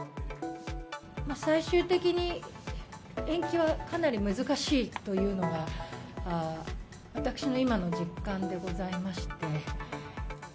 最終的に、延期はかなり難しいというのは、私の今の実感でございまして。